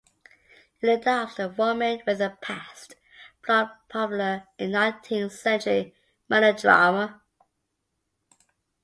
It adopts the "Woman with a past" plot, popular in nineteenth century melodrama.